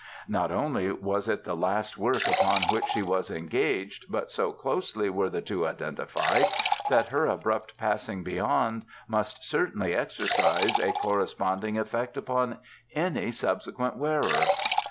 Not only was it the last work upon which she was engaged, but so closely were the two identified that her abrupt Passing Beyond must certainly exercise a corresponding effect upon any subsequent wearer."